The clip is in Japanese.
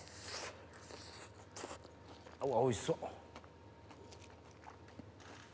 うわおいしそう！